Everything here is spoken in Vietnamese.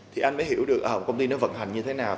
thì anh mới hiểu được công ty nó vận hành như thế nào